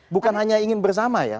bukan hanya ingin bersama ya